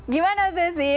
gimana sih sih